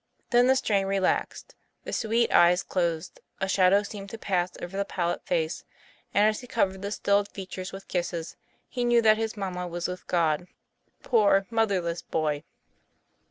Then the strain relaxed, the sweet eyes closed, a shadow seemed to pass over the pallid face, and, as he covered the stilled features with kisses, he knew that his mamma was with God. Poor mother less boy!